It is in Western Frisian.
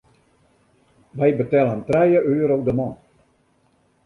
Wy betellen trije euro de man.